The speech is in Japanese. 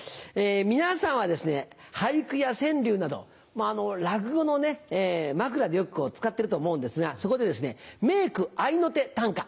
皆さんはですね俳句や川柳など落語の枕でよく使ってると思うんですがそこで名句合いの手短歌。